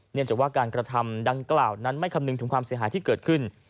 เนื่องจากว่าการกระทำดังกล่าวนั้นไม่คำนึงถึงความเสียหายที่เกิดขึ้น